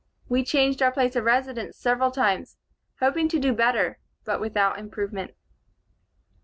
We changed our place of residence several times, hoping to do better, but without improvement.